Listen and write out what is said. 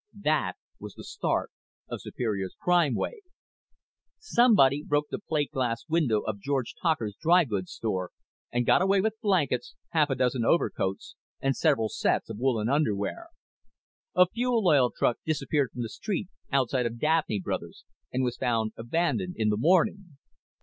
That was the start of Superior's crime wave. Somebody broke the plate glass window of George Tocher's dry goods store and got away with blankets, half a dozen overcoats and several sets of woolen underwear. A fuel oil truck disappeared from the street outside of Dabney Brothers' and was found abandoned in the morning.